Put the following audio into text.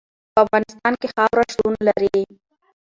په افغانستان کې خاوره شتون لري.